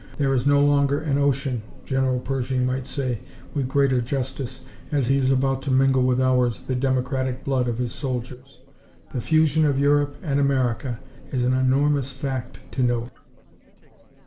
'There is no longer an ocean,' General Pershing might say, with greater justice, as he is about to mingle with ours the democratic blood of his soldiers. The fusion of Europe and America is an enormous fact to note."